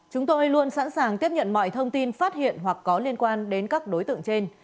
chúng tôi luôn sẵn sàng tiếp nhận mọi thông tin phát hiện hoặc có liên quan đến các đối tượng trên